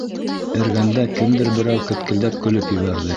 Эргәмдә кемдер берәү кеткелдәп көлөп ебәрҙе.